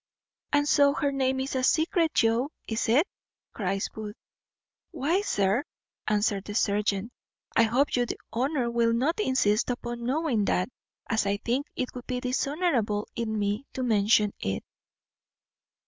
"And so her name is a secret, Joe, is it?" cries Booth. "Why, sir," answered the serjeant, "I hope your honour will not insist upon knowing that, as I think it would be dishonourable in me to mention it."